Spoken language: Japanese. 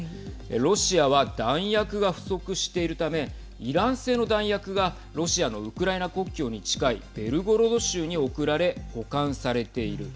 ロシアは弾薬が不足しているためイラン製の弾薬がロシアのウクライナ国境に近いベルゴロド州に送られ保管されている。